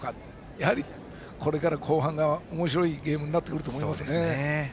やはり、これから後半がおもしろいゲームになってくると思いますね。